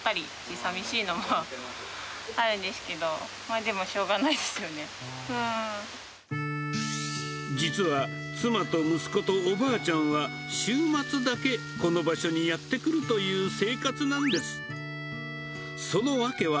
寂しいのもあるんですけれども、実は、妻と息子とおばあちゃんは、週末だけこの場所にやって来るという生活なんです。